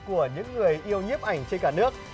của những người yêu nhiếp ảnh trên cả nước